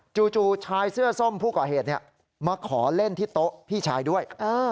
จู่ชายเสื้อส้มผู้ก่อเหตุมาขอเล่นที่โต๊ะพี่ชายด้วย